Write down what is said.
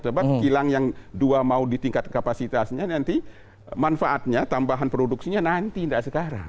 sebab kilang yang dua mau ditingkat kapasitasnya nanti manfaatnya tambahan produksinya nanti tidak sekarang